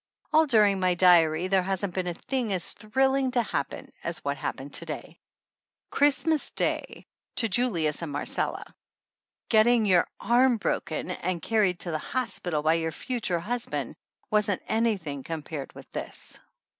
All during my diary there hasn't been a thing as thrilling to happen as what happened to day, 114 THE ANNALS OF ANN Christmas Day, to Julius and Marcella. Getting your arm broken and carried to the hospital by your future husband wasn't anything to com pare with this.